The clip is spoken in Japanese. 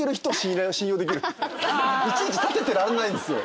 いちいち立ててらんないんすよ。